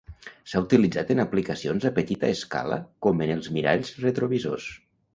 S'ha utilitzat en aplicacions a petita escala com en els miralls retrovisors.